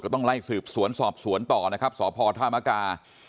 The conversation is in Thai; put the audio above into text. ต้องไล่สืบสวนสอบสวนต่อนะครับสพธามกา